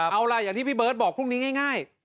เอาล่ะอย่างที่พี่เบิร์ตบอกพรุ่งนี้ง่าย